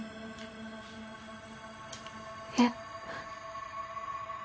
えっ？